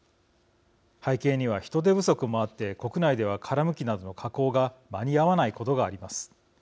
背景には、人手不足もあって国内では殻むきなどの加工が間に合わないことがあります。